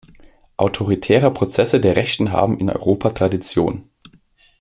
Autoritäre Prozesse der Rechten haben in Europa Tradition!